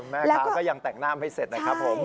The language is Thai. แม่ค้าก็ยังแต่งหน้ามให้เสร็จนะครับผม